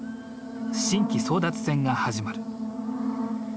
神旗争奪戦が始まる。